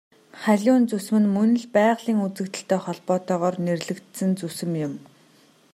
Халиун зүсэм нь мөн л байгалийн үзэгдэлтэй холбоотойгоор нэрлэгдсэн зүсэм юм.